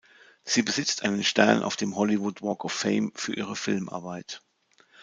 Sie besitzt einen Stern auf dem Hollywood Walk of Fame für ihre Filmarbeit.